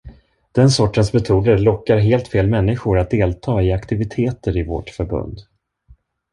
Den sortens metoder lockar helt fel människor att delta i aktiviteter i vårt förbund.